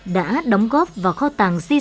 đã đóng góp vào kho tàng dân tộc giao